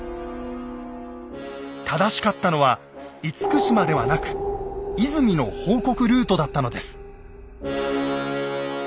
正しかったのは「厳島」ではなく「和泉」の報告ルートだったのです。